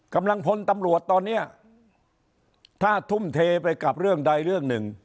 กำลังพลตำรวจตอนนี้ถ้าทุ่มเทไปกับเรื่องใดเรื่องหนึ่ง